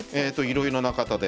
いろいろな方で。